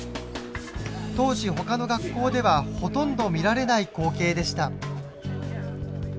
当時ほかの学校ではほとんど見られない光景でした。